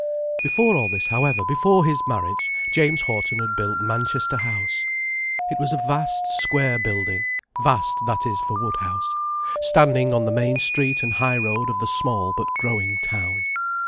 Before all this, however, before his marriage, James Houghton had built Manchester House. It was a vast square building—vast, that is, for Woodhouse—standing on the main street and high road of the small but growing town.